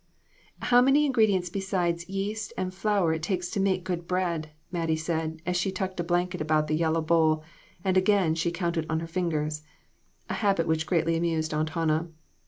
" How many ingredients beside yeast and flour it takes to make good bread!" Mattie said, as she tucked a blanket about the yellow bowl, and again she counted on her fingers a habit which greatly amused Aunt Hannah.